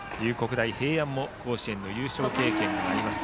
大平安も甲子園の優勝経験があります。